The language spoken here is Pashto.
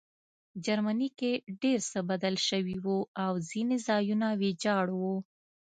جرمني کې ډېر څه بدل شوي وو او ځینې ځایونه ویجاړ وو